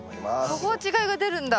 そこは違いが出るんだ。